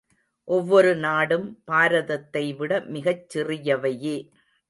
ஒவ்வொரு நாடும் பாரதத்தை விட மிகச் சிறியவையே.